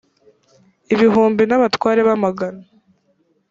ibihumbi n abatware b amagana